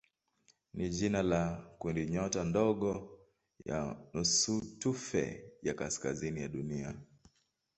ni jina la kundinyota ndogo ya nusutufe ya kaskazini ya Dunia.